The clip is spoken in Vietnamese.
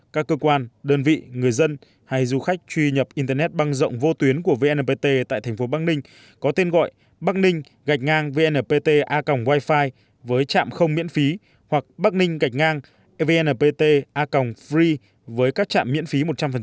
các cơ quan đơn vị người dân hay du khách truy nhập internet băng rộng vô tuyến của vnpt tại thành phố bắc ninh có tên gọi bắc ninh gạch ngang vnpt a còng wi fi với trạm không miễn phí hoặc bắc ninh gạch ngang vnpt a còng free với các trạm miễn phí một trăm linh